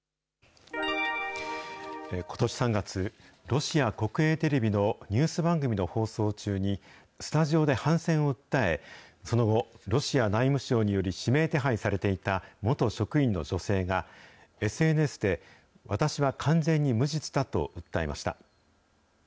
ことし３月、ロシア国営テレビのニュース番組の放送中にスタジオで反戦を訴え、その後、ロシア内務省により指名手配されていた元職員の女性が、ＳＮＳで私は完全に無実だと訴えました。